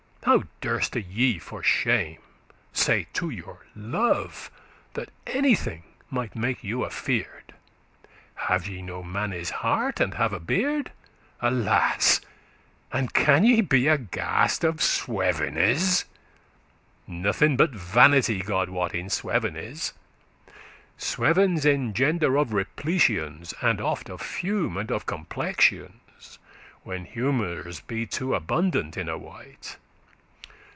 *braggart How durste ye for shame say to your love That anything might make you afear'd? Have ye no manne's heart, and have a beard? Alas! and can ye be aghast of swevenes?* *dreams Nothing but vanity, God wot, in sweven is, Swevens *engender of repletions,* *are caused by over eating* And oft of fume,* and of complexions, *drunkenness When humours be too abundant in a wight.